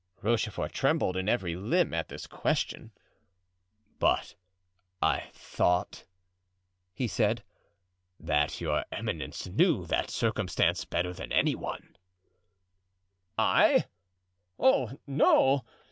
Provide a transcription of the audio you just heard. Rochefort trembled in every limb at this question. "But I thought," he said, "that your eminence knew that circumstance better than any one——" "I? Oh no!